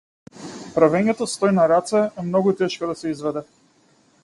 Правењето стој на раце е многу тешко да се изведе.